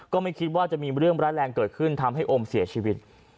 ก็ไม่คิดว่าจะมีเรื่องร้ายแรงเกิดขึ้นทำให้โอมเสียชีวิต